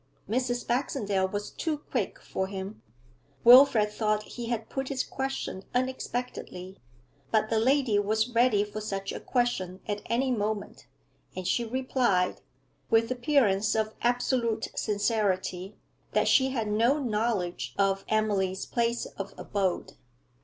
Mrs. Baxendale was too quick for him; Wilfrid thought he had put his question unexpectedly, but the lady was ready for such a question at any moment, and she replied, with appearance of absolute sincerity, that she had no knowledge of Emily's place of abode.